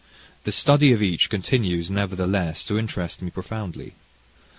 The study of each continues, nevertheless, to interest me profoundly.